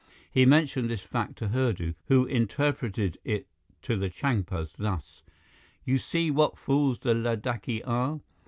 He mentioned this fact to Hurdu, who interpreted it to the Changpas thus: "You see what fools the Ladakhi are?